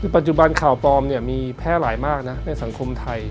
คือปัจจุบันข่าวปลอมมีแพร่หลายมากนะในสังคมไทย